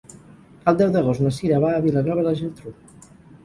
El deu d'agost na Cira va a Vilanova i la Geltrú.